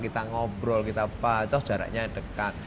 kita ngobrol kita pacos jaraknya dekat